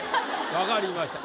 分かりました。